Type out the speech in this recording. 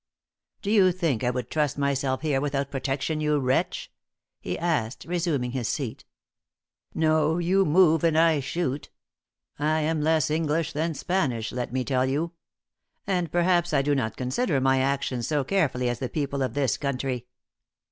"Do you think I would trust myself here without protection, you wretch?" he asked, resuming his seat. "No; you move, and I shoot. I am less English than Spanish, let me tell you; and perhaps I do not consider my actions so carefully as the people of this country."